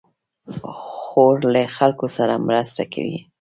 خور له خلکو سره مرسته کوي.